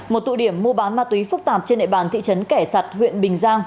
một tụ điểm mua bán ma túy phức tạp trên nệ bàn thị trấn kẻ sặt huyện bình giang